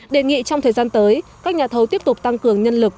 đề nghị trong thời gian tới các nhà thầu tiếp tục tăng cường nhân lực